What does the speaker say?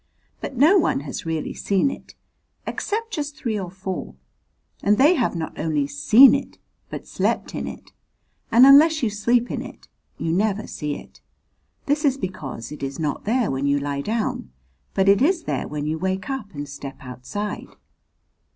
But no one has really seen it, except just three or four, and they have not only seen it but slept in it, and unless you sleep in it you never see it. This is because it is not there when you lie down, but it is there when you wake up and step outside.